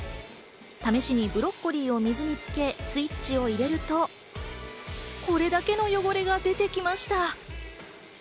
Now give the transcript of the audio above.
試しにブロッコリーを水につけ、スイッチを入れると、これだけの汚れが出てきました。